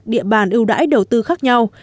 địa bàn ưu đãi đầu tư khác nhau